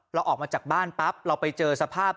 เราออกมาจากบ้านปั๊บเราไปเจอสภาพ